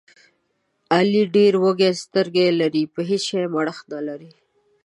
علي ډېرې وږې سترګې لري، په هېڅ شي مړښت نه لري.